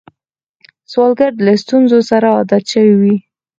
سوالګر له ستونزو سره عادت شوی وي